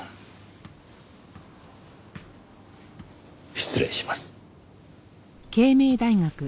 失礼します。